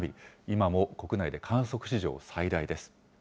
今も国内で観測史上最大です。